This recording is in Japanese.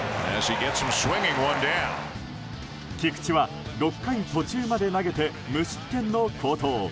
菊池は６回途中まで投げて無失点の好投。